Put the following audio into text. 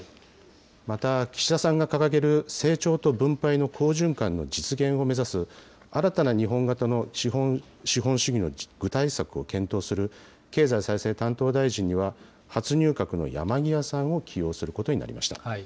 また岸田さんが掲げる成長と分配の好循環の実現を目指す、新たな日本型の資本主義の具体策を検討する経済再生担当大臣には、初入閣の山際さんを起用することになりました。